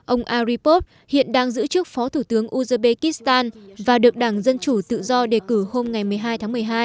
ông aripos hiện đang giữ chức phó thủ tướng uzbekistan và được đảng dân chủ tự do đề cử hôm một mươi hai tháng một mươi hai